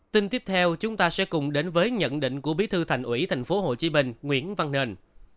tin tiếp theo chúng ta sẽ cùng đến với nhận định của bí thư thành ủy tp hcm nguyễn văn nền